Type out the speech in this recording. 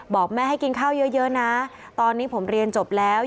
บอกแม่ให้กินข้าวเยอะนะตอนนี้ผมเรียนจบแล้ว